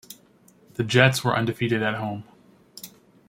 The Jets were undefeated at home.